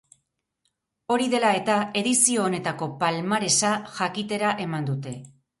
Hori dela eta edizio honetako palmaresa jakitera eman dute.